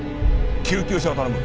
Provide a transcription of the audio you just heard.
救急車を頼む。